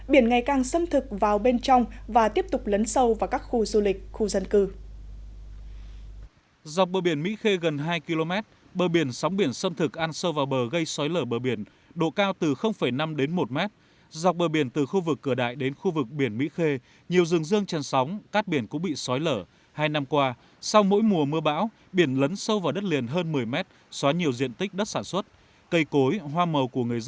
biển ngày càng xâm thực vào bên trong và tiếp tục lấn sâu vào các khu du lịch khu dân cư